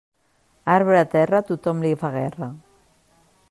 Arbre a terra, tothom li fa guerra.